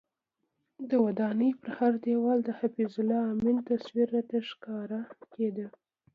د ودانۍ پر هر دیوال د حفیظ الله امین تصویر راته ښکاره کېده.